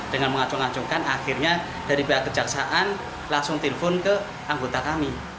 dengan mengacung acungkan akhirnya dari pihak kejaksaan langsung telpon ke anggota kami